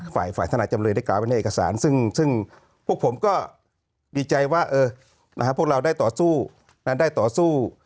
ฝ่ายทนายจำเลยได้กล่าวไว้ในเอกสารซึ่งพวกผมก็ดีใจว่าพวกเราได้ต่อสู้ได้ต่อสู้